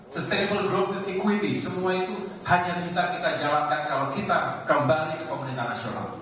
sustainable growth equity semua itu hanya bisa kita jalankan kalau kita kembali ke pemerintah nasional